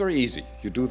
ini sangat mudah